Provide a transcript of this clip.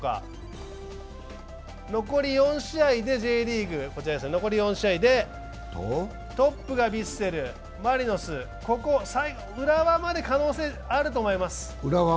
残り４試合でＪリーグ、トップがヴィッセル、マリノス、ここ、浦和まで可能性あると思います